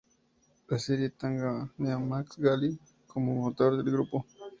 La serie tenía a Max Gail como mentor del grupo.